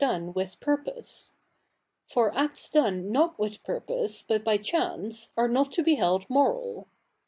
ie with purpose. For acts do?ie not TL'ith purpose, but by chance, are not to be held moral.